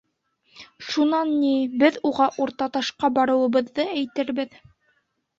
Шунан, ни, беҙ уға Уртаташҡа барыуыбыҙҙы әйтербеҙ.